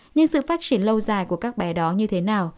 nhưng sự phát triển lâu dài của các bé đó như thế nào